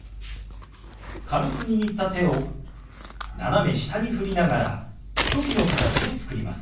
軽く握った手を斜め下に振りながらチョキの形を作ります。